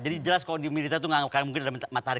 jadi jelas kalau di militer itu nggak mungkin ada matahari